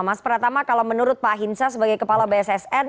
mas pratama kalau menurut pak hinsa sebagai kepala bssn